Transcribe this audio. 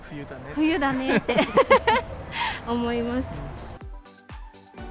冬だねって思います。